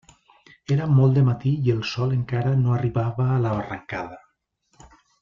Era molt de matí i el sol encara no arribava a la barrancada.